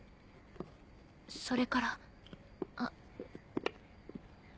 それからあ。